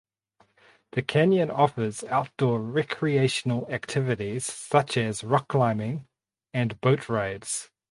The canyon offers outdoor recreational activities such as rock climbing and boat rides.